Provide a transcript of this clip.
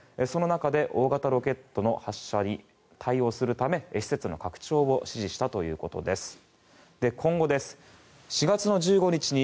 その中で大型ロケットの発射に対応するため施設の拡張を指示したということです。